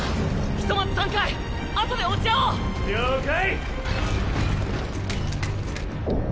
ひとまず散開あとで落ち合おう了解！